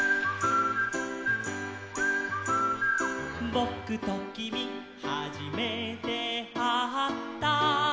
「ぼくときみはじめてあった」